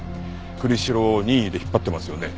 栗城を任意で引っ張ってますよね？